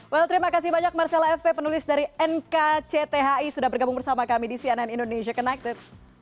well terima kasih banyak marcella fp penulis dari nkcthi sudah bergabung bersama kami di cnn indonesia connected